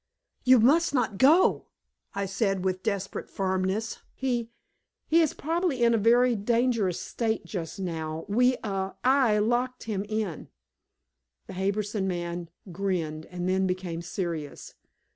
"You must not go," I said with desperate firmness. "He he is probably in a very dangerous state just now. We I locked him in." The Harbison man grinned and then became serious.